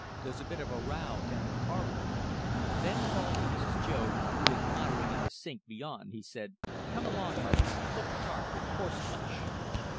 There's a bit of a row down in Parliament." Then, calling to Mrs. Joad, who was pottering in the "sink" beyond, he said, "Come along, mother. Look sharp with the horseflesh!"